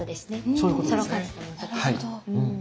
なるほど。